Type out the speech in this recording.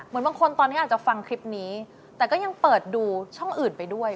บางคนตอนนี้อาจจะฟังคลิปนี้แต่ก็ยังเปิดดูช่องอื่นไปด้วย